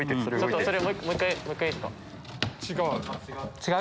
違う？